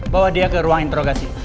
bawa dia ke ruang interogasi